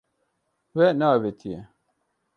We neavêtiye.